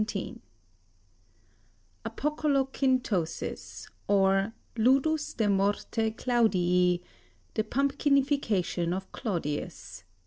SENECA APOCOLOCYNTOSIS, OR LUDUS DE MORTE CLAUDII: THE PUMPKINIFICATION OF CLAUDIUS.